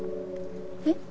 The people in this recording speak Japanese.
えっ？